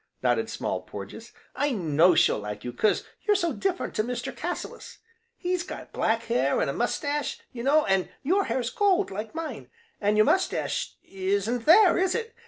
nodded Small Porges, "I know she'll like you 'cause you're so different to Mr. Cassilis, he's got black hair, an' a mestache, you know, an' your hair's gold, like mine, an' your mestache isn't there, is it?